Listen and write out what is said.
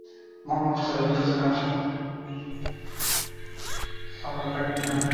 মুহাম্মাদ সাল্লাল্লাহু আলাইহি ওয়াসাল্লাম রাসূলরূপে প্রেরিত হওয়া পর্যন্ত তাকে এ নামেই ডাকা হত।